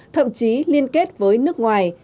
thậm chí liên kết với nước ngoài